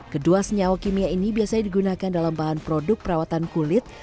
kedua senyawa kimia ini biasanya digunakan dalam bahan produk perawatan kulit